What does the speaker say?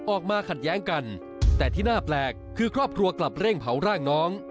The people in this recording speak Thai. ออกมาขัดแย้งกันแต่ที่น่าแปลกคือครอบครัวกลับเร่งเผาร่างน้อง